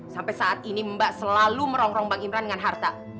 sampai saat ini mbak selalu merongrong bang imran dengan harta